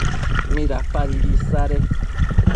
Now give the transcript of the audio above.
¿midapadibi isade?